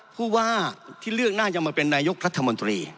ผู้ว่าที่เลือกน่าจะมาเป็นนายกรัฐมนตรี